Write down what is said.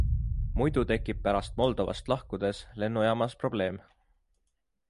Muidu tekib pärast Moldovast lahkudes lennujaamas probleem.